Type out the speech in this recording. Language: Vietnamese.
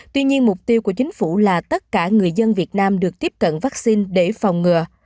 tuy nhiên mục tiêu của chính phủ là tất cả người dân việt nam được tiếp cận vaccine để phòng ngừa